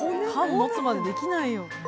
持つまでできないよ